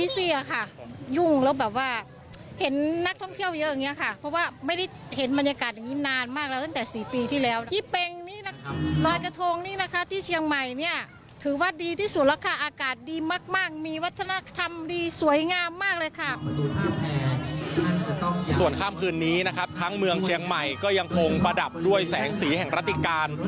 ส่วนข้ามคืนนี้นะครับทั้งเมืองเชียงใหม่ก็ยังคงประดับด้วยแสงสีแห่งรัติการ